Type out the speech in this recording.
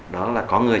đó là có người